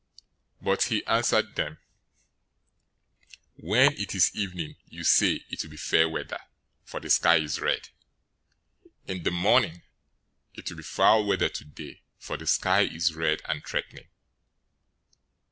016:002 But he answered them, "When it is evening, you say, 'It will be fair weather, for the sky is red.' 016:003 In the morning, 'It will be foul weather today, for the sky is red and threatening.'